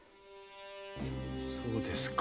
そうですか。